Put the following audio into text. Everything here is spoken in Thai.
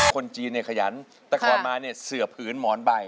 คนจีนเนี่ยขยันแต่ก่อนมาเนี่ยเสือผืนหมอนใบ